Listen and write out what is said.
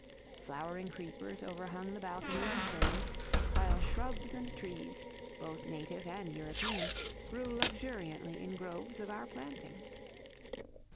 Flowering creepers overhung the balconies and pillars; while shrubs and trees, both native and European, grew luxuriantly in groves of our planting.